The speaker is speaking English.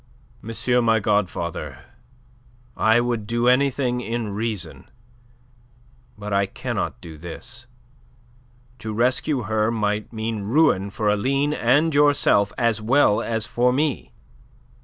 "Monsieur my godfather, I would do anything in reason. But I cannot do this. To rescue her might mean ruin for Aline and yourself as well as for me."